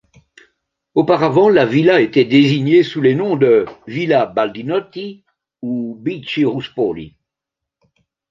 Auparavant, la villa était désignée sous les noms de Villa Baldinotti ou Bichi Ruspoli.